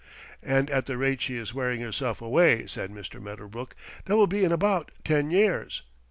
"And at the rate she is wearing herself away," said Mr. Medderbrook, "that will be in about ten years!